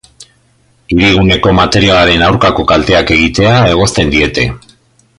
Hiriguneko materialaren aurkako kalteak egitea egozten diete.